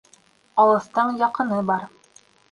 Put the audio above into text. Алыҫтың яҡыны бар.